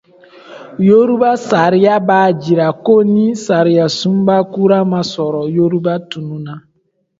Yoruba sariya b’a jira ko ni sariyasunba kura ma sɔrɔ, Yoruba tununna.